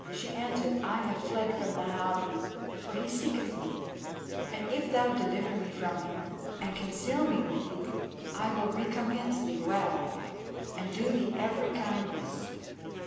She answered, 'I have fled from the Háwee, for he seeketh me; and if thou deliver me from him, and conceal me with thee, I will recompense thee well, and do thee every kindness.'